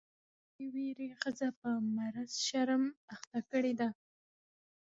او دې ويرې ښځه په مضر شرم اخته کړې ده.